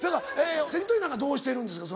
関取なんかどうしてるんですか？